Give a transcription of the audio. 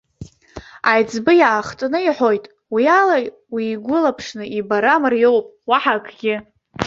Аиҵбы иаахтны иҳәоит, уиала уигәылаԥшны ибара мариоуп, уаҳа акгьы.